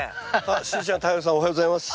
しーちゃん太陽さんおはようございます。